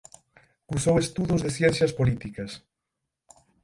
Cursou estudos de Ciencias Políticas.